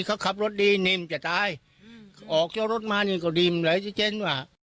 เขาขับรถดีนิ่มจะตายออกเจ้ารถมานี่ก็ดิมหลายซีเจนว่า